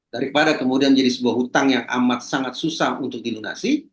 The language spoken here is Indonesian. daripada kemudian jadi sebuah hutang yang amat sangat susah untuk dilunasi